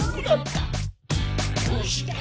「どうして？